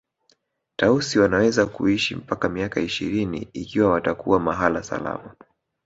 Tausi wanaweza kuishi mpaka miaka ishirini ikiwa watakuwa mahala salama